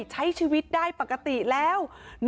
ใช้ชีวิตได้ปกติแล้วนอนหลับได้ปกติแล้วเดี๋ยวลองฟังเสียง